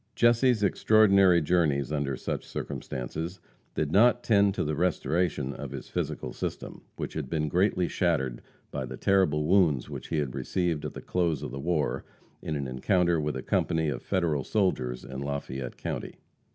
Jesse's extraordinary journeys under such circumstances did not tend to the restoration of his physical system, which had been greatly shattered by the terrible wounds which he had received at the close of the war, in an encounter with a company of Federal soldiers in Lafayette county.